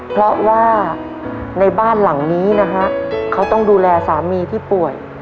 เพราะว่าในบ้านหลังนี้นะฮะเขาต้องดูแลสามีที่ป่วย